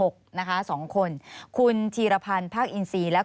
ควิทยาลัยเชียร์สวัสดีครับ